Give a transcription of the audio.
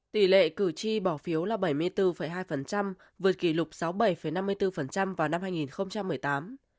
tỷ lệ cử tri bỏ phiếu là bảy mươi bốn hai vượt kỷ lục sáu mươi bảy năm mươi bốn vào năm hai nghìn một mươi tám